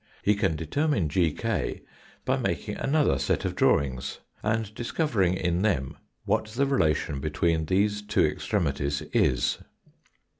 He can determine GK by making another set of drawing^ and discovering in them what the relation between these two extremities is.